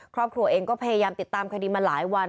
ครอบครัวเองก็พยายามติดตามคดีมาหลายวัน